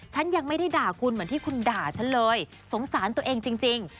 ฉันยังไม่ได้ด่าคุณเหมือนที่คุณด่าฉันเลยสงสารตัวเองจริง